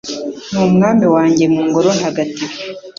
n’umwami wanjye mu Ngoro ntagatifu